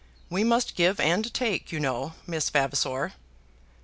We must give and take, you know, Miss Vavasor."